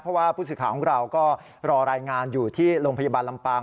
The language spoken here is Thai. เพราะว่าผู้สื่อข่าวของเราก็รอรายงานอยู่ที่โรงพยาบาลลำปาง